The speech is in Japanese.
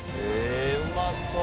「うまそう！」